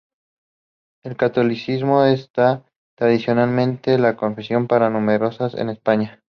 El catolicismo es tradicionalmente la confesión más numerosa en España.